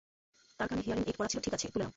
তার কানে hearing aid পরা ছিল ঠিক আছে, তুলে নাও।